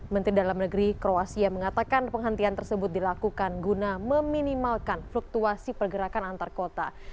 menteri dalam negeri kroasia mengatakan penghentian tersebut dilakukan guna meminimalkan fluktuasi pergerakan antar kota